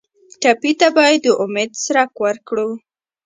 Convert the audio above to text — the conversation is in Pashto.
ټپي ته باید د امید څرک ورکړو.